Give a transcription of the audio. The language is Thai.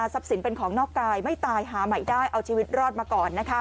สินเป็นของนอกกายไม่ตายหาใหม่ได้เอาชีวิตรอดมาก่อน